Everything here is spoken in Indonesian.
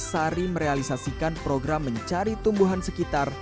sari merealisasikan program mencari tumbuhan sekitar